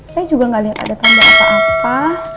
saya juga gak lihat ada tanda apa apa